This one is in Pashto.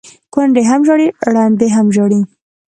ـ کونډې هم ژاړي ړنډې هم ژاړي،